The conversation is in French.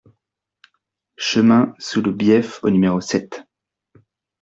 Chemin sous le Bief au numéro sept